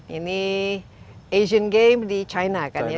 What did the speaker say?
ini asian games di china kan ya